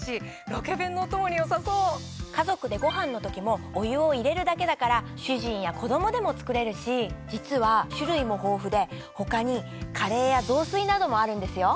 家族でご飯の時もお湯を入れるだけだから主人や子供でも作れるし実は種類も豊富で他にカレーや雑炊などもあるんですよ。